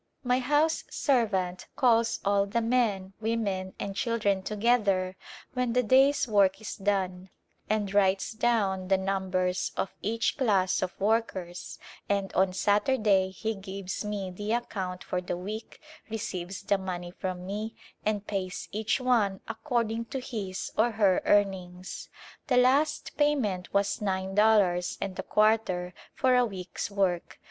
My house [•34] 0^ Visitors Prom Avierica servant calls all the men, women and children to gether when the day's work is done and writes down the number of each class of workers and on Saturday he gives me the account for the week, receives the money from me and pays each one according to his or her earnings. The last payment was nine dollars and a quarter for a week's work.